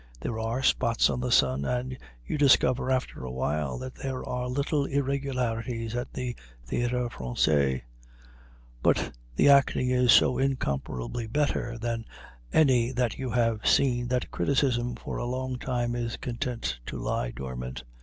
There are spots on the sun, and you discover after a while that there are little irregularities at the Théâtre Français. But the acting is so incomparably better than any that you have seen that criticism for a long time is content to lie dormant.